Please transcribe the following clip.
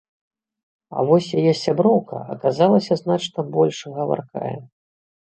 А вось яе сяброўка аказалася значна больш гаваркая.